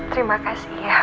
terima kasih ya